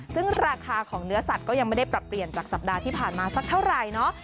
ซึ่งราคาของเนื้อสัตว์ก็ยังไม่ได้ปรับเปลี่ยนจากสัปดาห์ที่ผ่านมาสักเท่าไหร่เนาะ